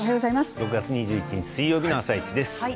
６月２１日水曜日の「あさイチ」です。